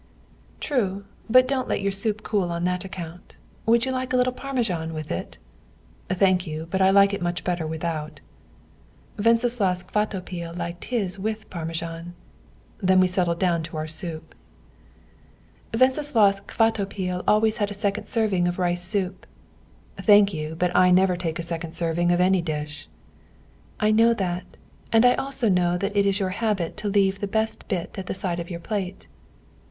"True, but don't let your soup cool on that account. Would you like a little Parmesan with it?" "Thank you, but I like it much better without." "Wenceslaus Kvatopil liked his with Parmesan." Then we settled down to our soup. "Wenceslaus Kvatopil always had a second serving of rice soup." "Thank you, but I never take a second serving of any dish." "I know that, and I also know that it is your habit to leave the best bit at the side of your plate."